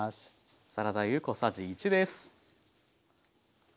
サラダ油小さじ１です。